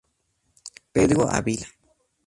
Pedro Avila".